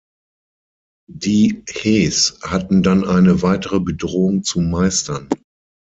Die Hes hatten dann eine weitere Bedrohung zu meistern.